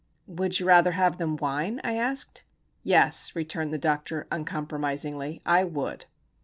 "Would you rather have them whine?" I asked. "Yes," returned the doctor, uncompromisingly. "I would."